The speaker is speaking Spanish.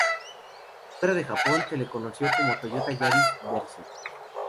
Fuera de Japón se lo conoció como Toyota Yaris Verso.